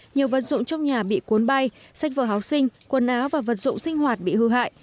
nhiều vật dụng trong nhà bị cuốn bay sách vở háo sinh quần áo và vật dụng sinh hoạt bị hư hại